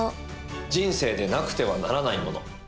人生でなくてはならないもの。